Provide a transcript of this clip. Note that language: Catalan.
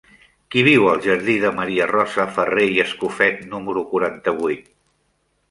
Qui viu al jardí de Maria Rosa Farré i Escofet número quaranta-vuit?